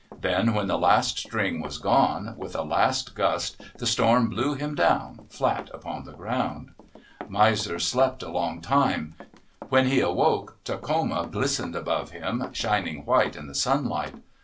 Then when the last string was gone, with a last gust the storm blew him down, flat upon the ground. Miser slept a long time. When he awoke, Tak homa glistened above him, shining white in the sun light.